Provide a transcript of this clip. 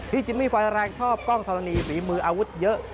พี่จินมี่ฝ่ายแรงชอบกล้องทรณีฝีมืออาวุธเยอะ